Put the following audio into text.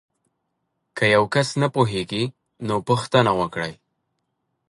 که یو کس نه پوهیږي نو پوښتنه وکړئ.